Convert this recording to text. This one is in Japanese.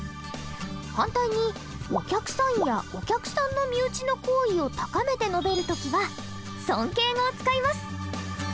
反対にお客さんやお客さんの身内の行為を高めて述べる時は尊敬語を使います。